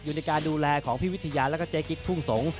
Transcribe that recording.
อยู่ในการดูแลของพี่วิทยาแล้วก็เจ๊กิ๊กทุ่งสงศ